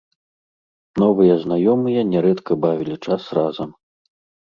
Новыя знаёмыя нярэдка бавілі час разам.